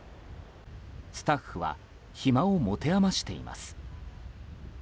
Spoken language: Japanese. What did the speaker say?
スタッフは暇を持て余しています。